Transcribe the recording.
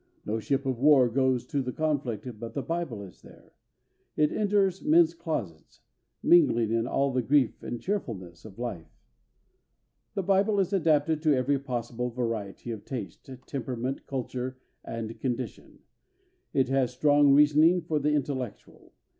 No ship of war goes to the conflict but the Bible is there. It enters men's closets, mingling in all the grief and cheerfulness of life. The Bible is adapted to every possible variety of taste, temperament, culture, and condition. It has strong reasoning for the intellectual.